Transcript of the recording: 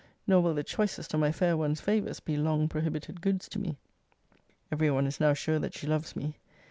Nor will the choicest of my fair one's favours be long prohibited goods to me! Every one is now sure that she loves me.